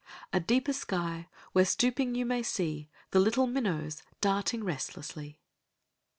"A deeper sky, where stooping you may see The little minnows darting restlessly."